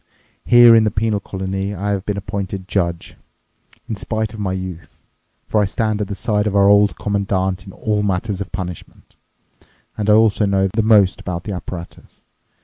Here in the penal colony I have been appointed judge. In spite of my youth. For I stood at the side of our Old Commandant in all matters of punishment, and I also know the most about the apparatus.